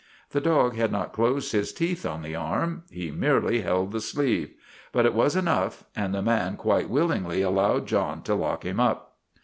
The dog had not closed his teeth on the arm ; he merely held the sleeve. But it was enough, and the man quite willingly allowed John to lock him up.